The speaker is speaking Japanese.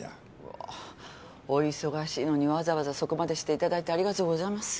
まあお忙しいのにわざわざそこまでして頂いてありがとうございます。